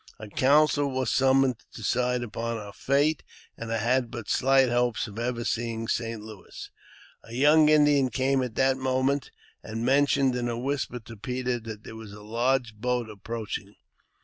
A council was summoned to decide upon our fate, and I had but shght hopes of ever seeing St. Louis. A young Indian came at that moment, and mentioned in a whisper to Peter that there was a large boat approaching.